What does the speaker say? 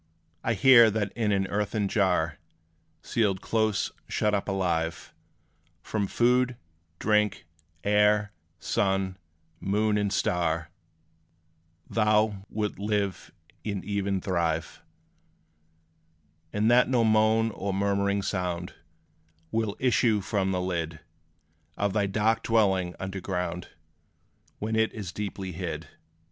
I hear that in an earthen jar Sealed close, shut up alive, From food, drink, air, sun, moon and star, Thou 'lt live and even thrive: And that no moan, or murmuring sound Will issue from the lid Of thy dark dwelling under ground, When it is deeply hid.